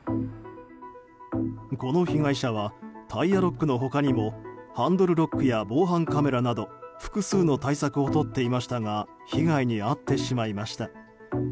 この被害者はタイヤロックの他にもハンドルロックや防犯カメラなど複数の対策をとっていましたが被害に遭ってしまいました。